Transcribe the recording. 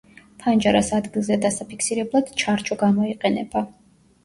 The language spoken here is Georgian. ფანჯარას ადგილზე დასაფიქსირებლად ჩარჩო გამოიყენება.